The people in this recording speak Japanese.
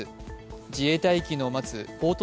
自衛隊機の待つポート